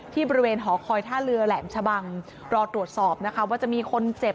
ที่บริเวณหอคอยท่าเรือแหลมชะบังรอตรวจสอบนะคะว่าจะมีคนเจ็บ